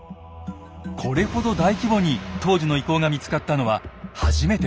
これほど大規模に当時の遺構が見つかったのは初めてです。